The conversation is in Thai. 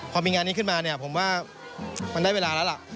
พอมีงานนี้ขึ้นมาผมว่ามันได้เวลาแล้วแหละ